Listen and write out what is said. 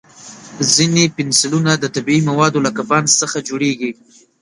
ځینې پنسلونه د طبیعي موادو لکه بانس څخه جوړېږي.